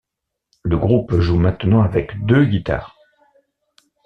Le groupe joue maintenant avec deux guitares.